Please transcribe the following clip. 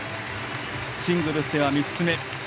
シングルスでは３つ目。